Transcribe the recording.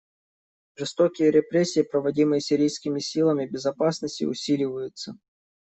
Жестокие репрессии, проводимые сирийскими силами безопасности, усиливаются.